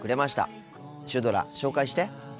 シュドラ紹介して。